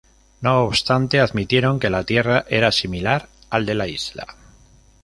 No obstante, admitieron que la tierra era similar al de la isla.